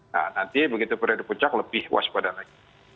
nah nanti begitu periode puncak lebih waspada lagi